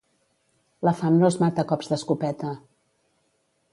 La fam no es mata a cops d'escopeta.